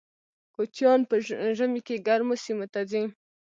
کوچیان په ژمي کې ګرمو سیمو ته ځي